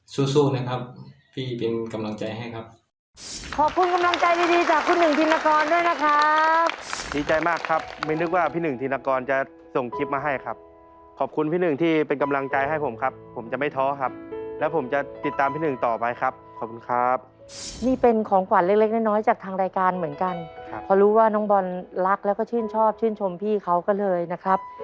สู้นะครับที่เป็นกำลังใจให้ครับ